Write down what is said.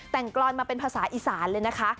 แต่งกรอนมาเป็นภาษาอีสานเลยนะคะ